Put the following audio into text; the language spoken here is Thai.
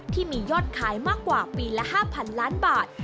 ที่มียอดขายมากกว่าปีละ๕๐๐๐ล้านบาท